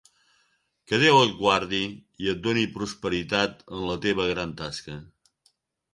Que Déu et guardi i et doni prosperitat en la teva gran tasca.